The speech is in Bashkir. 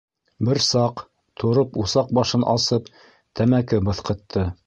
Бер саҡ, тороп усаҡ башын асып, тәмәке быҫҡытты.